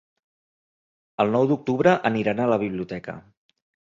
El nou d'octubre aniran a la biblioteca.